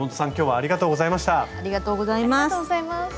ありがとうございます。